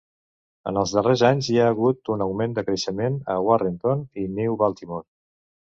En els darrers anys, hi ha hagut un augment de creixement a Warrenton i New Baltimore.